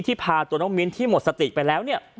ที่พาตัวน้องมิ้นท์ที่หมดสติไปแล้ว